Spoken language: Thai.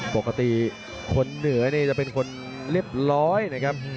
ปกติคนเหนือนี่จะเป็นคนเรียบร้อยนะครับ